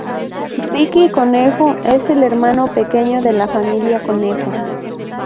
Ricki Conejo: es el hermano pequeño de la familia Conejo.